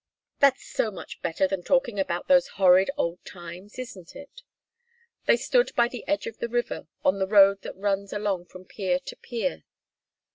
That's much better than talking about those horrid old times, isn't it?" They stood by the edge of the river, on the road that runs along from pier to pier.